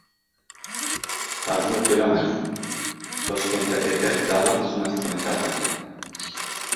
“Qarzni to‘lamayman”: Toshkentda erkak davlat xizmatchisini kaltakladi